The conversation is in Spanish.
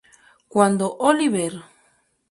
Cuando "Oliver!